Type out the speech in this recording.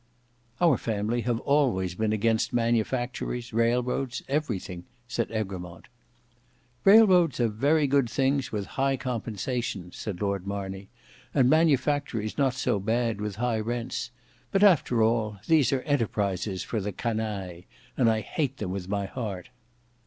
"Our family have always been against manufactories, railroads—everything," said Egremont. "Railroads are very good things, with high compensation," said Lord Marney; "and manufactories not so bad, with high rents; but, after all, these are enterprises for the canaille, and I hate them in my heart."